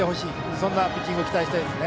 そんなピッチングを期待したいです。